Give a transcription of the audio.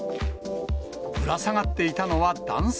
ぶら下がっていたのは男性。